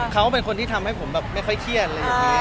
เขาเป็นคนที่ทำให้ผมแบบไม่ค่อยเครียดอะไรอย่างนี้